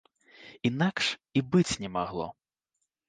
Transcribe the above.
Інакш і быць не магло.